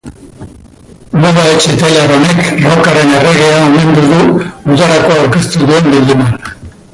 Moda etxe italiar honek rockaren erregea omendu du udarako aurkeztu duen bilduman.